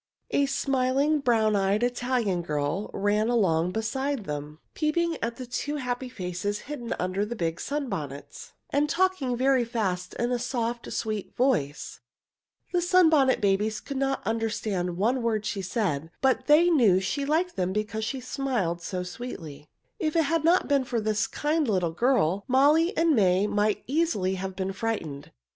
A smiling, brown eyed Italian girl ran along beside them, peeping at the two happy faces hidden under the big sunbonnets, and talking very fast in a soft, sweet voice. [Illustration: They knew she liked them because she smiled so sweetly] The Sunbonnet Babies could not understand one word she said, but they knew she liked them because she smiled so sweetly. If it had not been for this kind little girl, Molly and May might easily have been frightened.